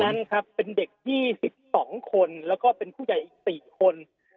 นั้นครับเป็นเด็ก๒๒คนแล้วก็เป็นผู้ใหญ่อีก๔คน